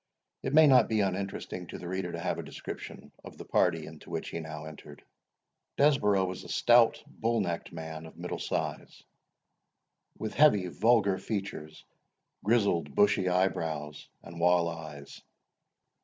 It may not be uninteresting to the reader to have a description, of the party into which he now entered. Desborough was a stout, bull necked man, of middle size, with heavy vulgar features, grizzled bushy eyebrows, and walleyes.